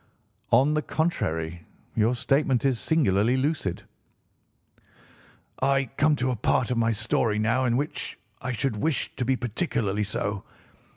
"On the contrary, your statement is singularly lucid." "I come to a part of my story now in which I should wish to be particularly so.